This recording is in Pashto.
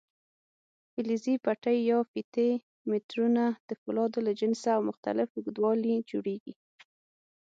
فلزي پټۍ یا فیتې میټرونه د فولادو له جنسه او مختلف اوږدوالي جوړېږي.